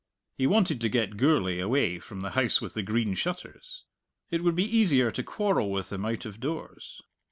He wanted to get Gourlay away from the House with the Green Shutters. It would be easier to quarrel with him out of doors.